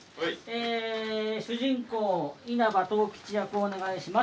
主人公稲葉十吉役をお願いします